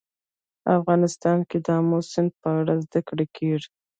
افغانستان کې د آمو سیند په اړه زده کړه کېږي.